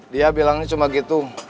dia bilangnya cuma gitu